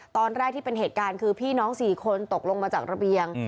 ตอนแรกที่เป็นเหตุการณ์คือพี่น้อง๔คนตกลงมาจากระเบียง